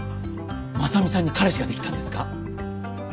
真実さんに彼氏が出来たんですか？